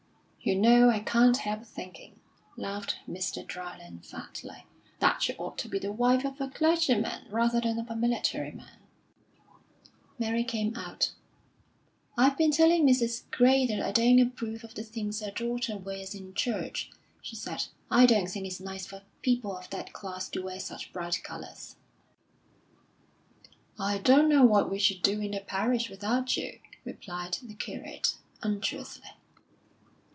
"You know I can't help thinking," laughed Mr. Dryland fatly, "that she ought to be the wife of a clergyman, rather than of a military man." Mary came out. "I've been telling Mrs. Gray that I don't approve of the things her daughter wears in church," she said. "I don't think it's nice for people of that class to wear such bright colours." "I don't know what we should do in the parish without you," replied the curate, unctuously.